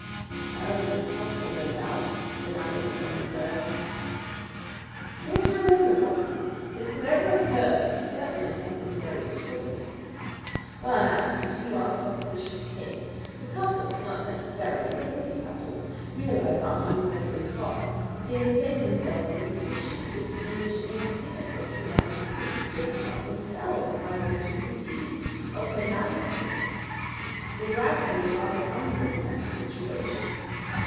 "Well, it is possible, no doubt," said I, with some reserve. "We have to remember, Watson, that whatever occurred is certainly something very extraordinary. Well, now, to continue our supposititious case, the couple not necessarily a guilty couple realize after the murderer is gone that they have placed themselves in a position in which it may be difficult for them to prove that they did not themselves either do the deed or connive at it. They rapidly and rather clumsily met the situation.